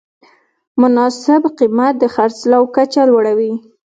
مناسب قیمت د خرڅلاو کچه لوړوي.